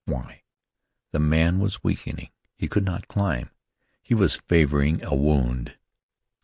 Why? The man was weakening; he could not climb; he was favoring a wound.